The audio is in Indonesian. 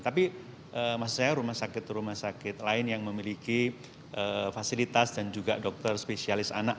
tapi maksud saya rumah sakit rumah sakit lain yang memiliki fasilitas dan juga dokter spesialis anak